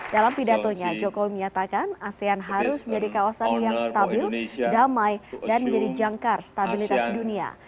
dalam pidatonya jokowi menyatakan asean harus menjadi kawasan yang stabil damai dan menjadi jangkar stabilitas dunia